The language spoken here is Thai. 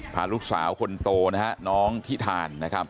พาลูกสาวคนโตนะฮะน้องทิธานนะครับ